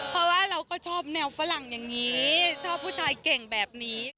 เพราะว่าเราก็ชอบแนวฝรั่งอย่างนี้ชอบผู้ชายเก่งแบบนี้